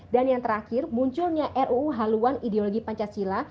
dan yang terakhir munculnya ruu haluan ideologi pancasila